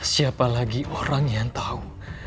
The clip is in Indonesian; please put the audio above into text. siapa lagi orang yang tahu